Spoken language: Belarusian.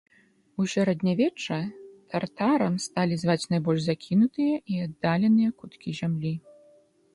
У сярэднявечча тартарам сталі зваць найбольш закінутыя і аддаленыя куткі зямлі.